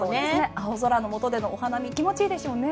青空のもとでのお花見気持ちいいでしょうね。